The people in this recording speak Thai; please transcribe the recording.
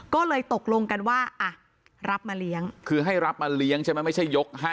ก็เลยตกลงกันว่าอ่ะรับมาเลี้ยงคือให้รับมาเลี้ยงใช่ไหมไม่ใช่ยกให้